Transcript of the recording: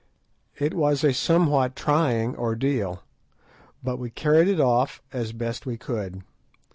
It was a somewhat trying ordeal, but we carried it off as best we could.